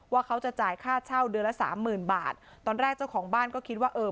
เขาจะจ่ายค่าเช่าเดือนละสามหมื่นบาทตอนแรกเจ้าของบ้านก็คิดว่าเออ